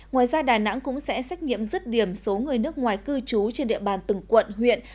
ngoài ra đà nẵng cũng sẽ xét nghiệm rứt điểm số người nước ngoài cư trú trên địa bàn từng quận huyện